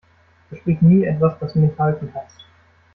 Versprich nie etwas, das du nicht halten kannst.